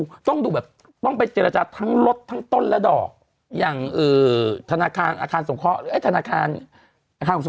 ต้องต้องดูแบบต้องไปเจรจาทั้งรถทั้งต้นและดอกอย่างอือธนาคารอาคารสงครส